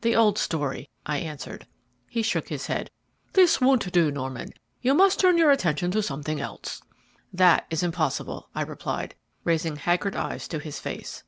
"The old story," I answered. He shook his head. "This won't do, Norman; you must turn your attention to something else." "That is impossible," I replied, raising haggard eyes to his face.